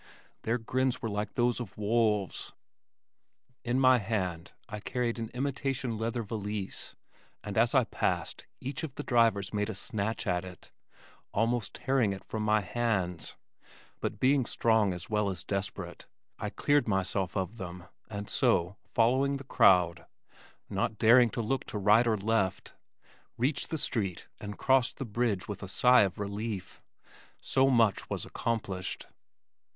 Their grins were like those of wolves. In my hand I carried an imitation leather valise, and as I passed, each of the drivers made a snatch at it, almost tearing it from my hands, but being strong as well as desperate, I cleared myself of them, and so, following the crowd, not daring to look to right or left, reached the street and crossed the bridge with a sigh of relief. So much was accomplished.